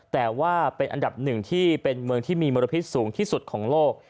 แต่ว่าเป็นอันดับหนึ่งที่เป็นเมืองที่มีมลพิษสูงที่สุดของโลก